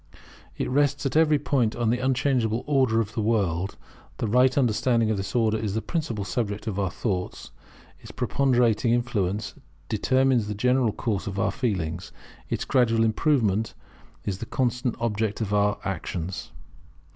It rests at every point upon the unchangeable Order of the world. The right understanding of this order is the principal subject of our thoughts; its preponderating influence determines the general course of our feelings; its gradual improvement is the constant object of our actions.